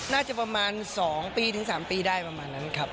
น่าจะประมาณ๒ปีถึง๓ปีได้ประมาณนั้นครับ